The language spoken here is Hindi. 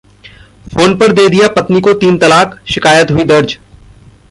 फोन पर दे दिया पत्नी को तीन तलाक, शिकायत हुई दर्ज